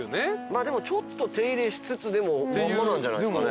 まあちょっと手入れしつつでもまんまなんじゃないっすかね。